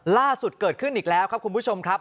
ล่าสุดเกิดขึ้นอีกแล้วครับคุณผู้ชมครับ